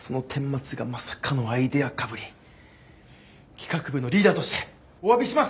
企画部のリーダーとしておわびします！